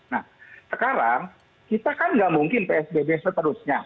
nah sekarang kita kan nggak mungkin psbb seterusnya